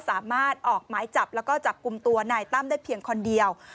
สามารถออกหมายจับแล้วก็จับกลุ่มตัวนายตั้มได้เพียงคนเดียว